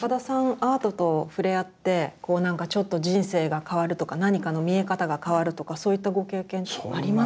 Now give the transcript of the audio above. アートと触れ合ってなんかちょっと人生が変わるとか何かの見え方が変わるとかそういったご経験ってあります？